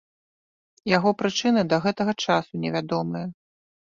Яго прычыны да гэтага часу невядомыя.